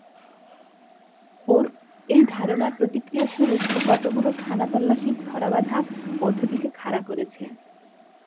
ওর এই ধারণার প্রতিক্রিয়া স্বরূপ ও কতকগুলো খানাতল্লাশির ধরাবাঁধা পদ্ধতিকে খাড়া করেছে।